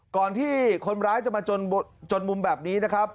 ก่อนที่คนร้ายจะมาจนมุมแบบนี้นะครับ